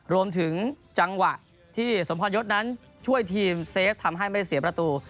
รวมถึงจังหวะที่สมพรยศนั้นช่วยทีมเซฟทำให้ไม่เสียประตู